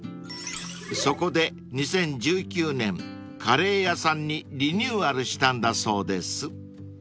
［そこで２０１９年カレー屋さんにリニューアルしたんだそうです］